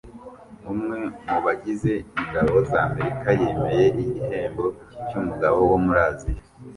Umwe mu bagize ingabo z’Amerika yemeye igihembo cy’umugabo wo muri Aziya